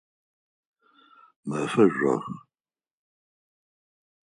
Mefe zjorkh.